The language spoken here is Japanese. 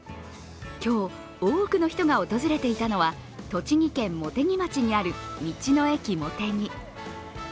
今日、多くの人が訪れていたのは栃木県茂木町にある道の駅もてぎ。